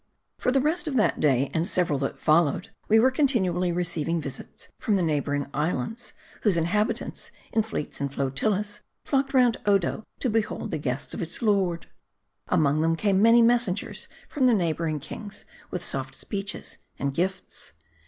FOR the rest of that day, and several that followed, we were continually receiving visits from the neighboring islands ; whose inhabitants in fleets and flotillas flocked round Odo to behold the guests of its lord. Among them came many messengers from the neighboring kings with soft speeches and gifts.